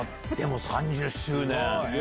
でも３０周年。